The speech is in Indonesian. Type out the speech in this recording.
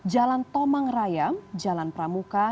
jalan tomang raya jalan pramuka